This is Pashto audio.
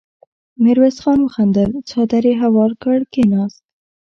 ميرويس خان وخندل، څادر يې هوار کړ، کېناست.